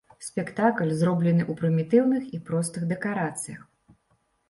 Спектакль зроблены ў прымітыўных і простых дэкарацыях.